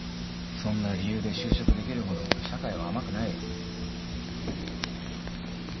そんな理由で就職できるほど社会は甘くないよ。